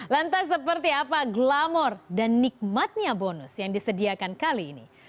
lantas seperti apa glamor dan nikmatnya bonus yang disediakan kali ini